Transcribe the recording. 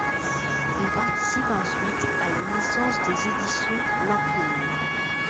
Il participe ensuite à la naissance des Éditions L'Ampoule.